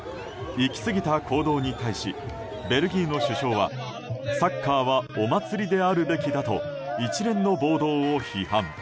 行き過ぎた行動に対しベルギーの首相はサッカーはお祭りであるべきだと一連の暴動を批判。